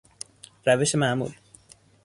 روش معمول